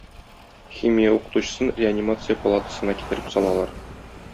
Химия укытучысын реанимация палатасына китереп салалар.